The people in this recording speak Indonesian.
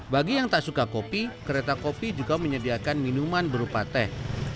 bagi yang tak suka kopi kereta kopi juga menyediakan minuman berupa teh